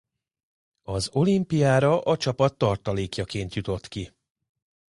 Az olimpiára a csapat tartalékjaként jutott ki.